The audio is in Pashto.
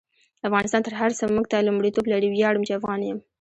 افغانستان تر هر سه مونږ ته لمړیتوب لري: ویاړم چی افغان يم